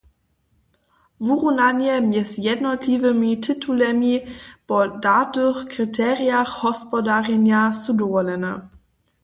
Wurunanje mjez jednotliwymi titulemi po datych kriterijach hospodarjenja su dowolene.